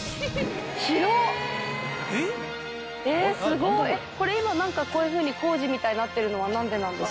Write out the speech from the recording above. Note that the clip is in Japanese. すごい！これ今何かこういうふうに工事みたいになってるのは何でなんですか？